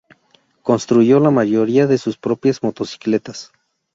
Construyó la mayoría de sus propias motocicletas.